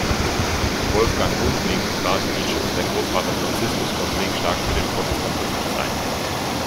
Wolfgang Gundling trat wie schon sein Großvater Franziskus Gundling stark für den Protestantismus ein.